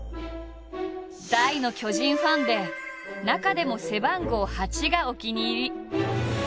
大の巨人ファンで中でも背番号「８」がお気に入り。